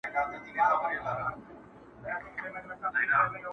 خو اصل درد يو شان پاته کيږي د ټولو لپاره.